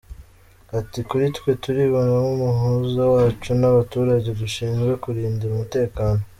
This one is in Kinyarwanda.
Ati "Kuri twe turibona nk’umuhuza wacu n’abaturage dushinzwe kurindira umutekano.